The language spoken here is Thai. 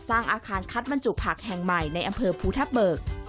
สร้างอาคารคัดบรรจุผักแห่งใหม่ในอำเภอภูทับเบิก